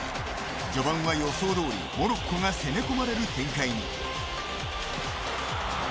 序盤は予想どおりモロッコが攻め込まれる展開に。